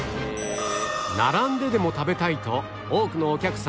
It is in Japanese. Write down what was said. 並んででも食べたいと多くのあいよ！